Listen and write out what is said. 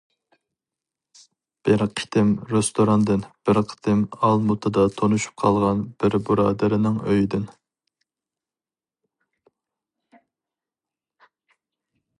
بىر قېتىم رېستوراندىن، بىر قېتىم ئالمۇتىدا تونۇشۇپ قالغان بىر بۇرادىرىنىڭ ئۆيىدىن.